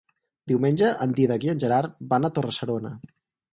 Diumenge en Dídac i en Gerard van a Torre-serona.